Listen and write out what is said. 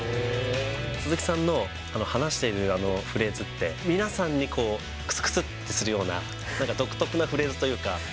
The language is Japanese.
鈴木さんの話しているフレーズって、皆さんにくすくすってするような、なんか独特なフレーズというか。